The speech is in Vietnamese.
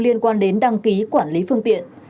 liên quan đến đăng ký quản lý phương tiện